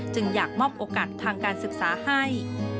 อยากมอบโอกาสทางการศึกษาให้